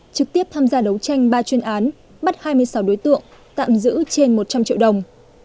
trực tiếp tham gia đấu tranh ba chuyên án bắt hai mươi sáu đối tượng tạm giữ trên một trăm linh triệu đồng